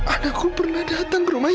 anakku pernah datang ke rumah ini